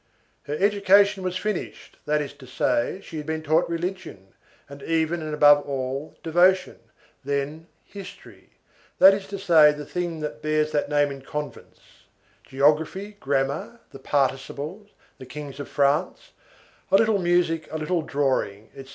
Her education was finished, that is to say, she has been taught religion, and even and above all, devotion; then "history," that is to say the thing that bears that name in convents, geography, grammar, the participles, the kings of France, a little music, a little drawing, etc.